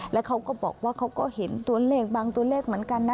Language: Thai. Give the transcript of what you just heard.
แล้วเขาก็บอกว่าเขาก็เห็นตัวเลขบางตัวเลขเหมือนกันนะ